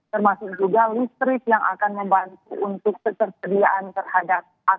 termasuk juga listrik yang akan membantu untuk ketersediaan terhadap